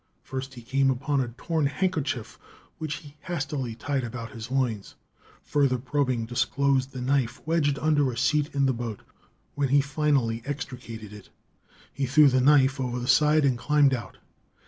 First he came upon a torn handkerchief which he hastily tied about his loins. Further probing disclosed the knife wedged under a seat in the boat. When he had finally extricated it, he threw the knife over the side and climbed out.